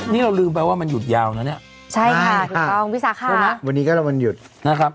นี่ก็ลืมไปว่ามันหยุดยาวนะเนี่ยใช่ค่ะครับมีค่ะวันนี้ก็ทำมันหยุดนะครับ